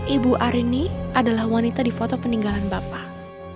ibu arini adalah wanita di foto peninggalan bapak